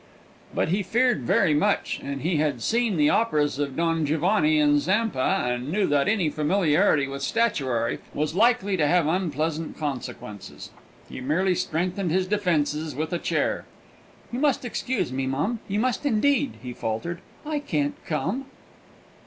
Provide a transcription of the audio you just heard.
But he feared very much, for he had seen the operas of Don Giovanni and Zampa, and knew that any familiarity with statuary was likely to have unpleasant consequences. He merely strengthened his defences with a chair. "You must excuse me, mum, you must indeed," he faltered; "I can't come!"